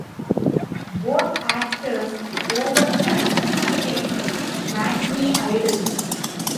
Both actors, over time, became matinee idols.